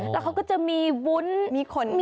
แล้วจะมีวุ้นมีอะไร